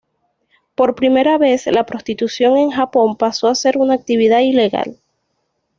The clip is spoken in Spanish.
Por primera vez, la prostitución en Japón pasó a ser una actividad ilegal.